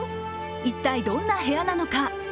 一体どんな部屋なのか。